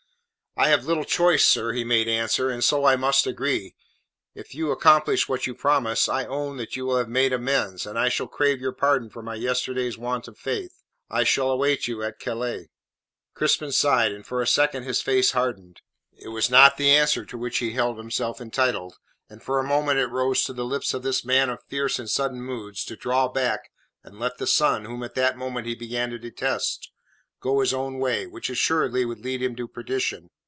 "I have little choice, sir," he made answer, "and so I must agree. If you accomplish what you promise, I own that you will have made amends, and I shall crave your pardon for my yesternight's want of faith. I shall await you at Calais." Crispin sighed, and for a second his face hardened. It was not the answer to which he held himself entitled, and for a moment it rose to the lips of this man of fierce and sudden moods to draw back and let the son, whom at the moment he began to detest, go his own way, which assuredly would lead him to perdition.